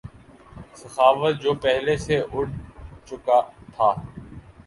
سخاوت جو پہلے سے اٹھ چکا تھا